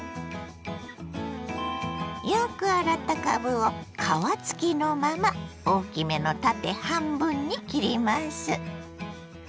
よく洗ったかぶを皮付きのまま大きめの縦半分に切ります。